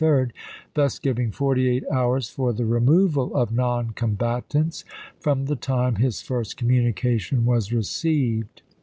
the 23d, thus giving forty eight hours for the removal of non combatants from the time his first communication was received.